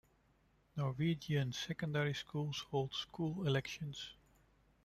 Norwegian secondary schools hold "school elections".